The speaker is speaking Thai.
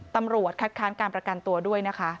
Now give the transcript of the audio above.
ตำรวจคัดค้านการประกันตัวด้วยนะคะ